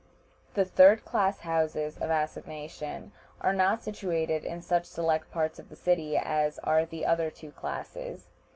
The third class houses of assignation are not situated in such select parts of the city as are the other two classes.